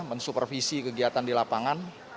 mensupervisi kegiatan di lapangan